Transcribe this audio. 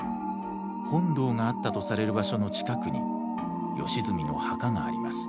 本堂があったとされる場所の近くに義澄の墓があります。